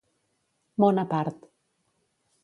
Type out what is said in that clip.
Món a part.